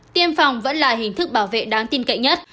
tiêm phòng vẫn là hình thức bảo vệ đáng tin cậy nhất